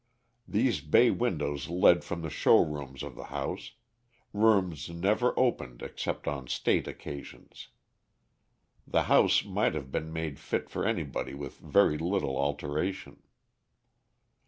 These bay windows led from the show rooms of the house, rooms never opened except on state occasions. The house might have been made fit for anybody with very little alteration.